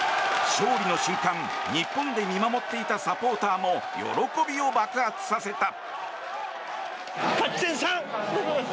勝利の瞬間日本で見守っていたサポーターも喜びを爆発させた。